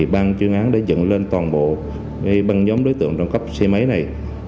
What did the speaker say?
ban chuyên án đã dựng lên toàn bộ băng nhóm đối tượng trong cấp xe máy này